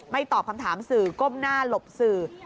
ตอบคำถามสื่อก้มหน้าหลบสื่อ